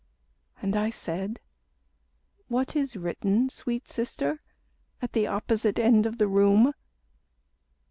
And I said, "What is written, sweet sister, At the opposite end of the room?"